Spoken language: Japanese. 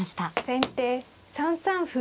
先手３三歩。